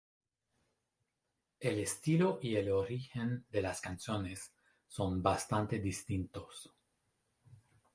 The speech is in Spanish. El estilo y el origen de las canciones son bastante distintos.